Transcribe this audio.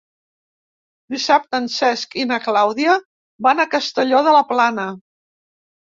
Dissabte en Cesc i na Clàudia van a Castelló de la Plana.